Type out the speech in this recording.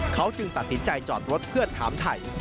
เขาจึงตัดสินใจจอดรถเพื่อถามถ่าย